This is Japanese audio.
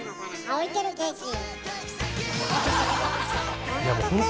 あ置いてるケーキ！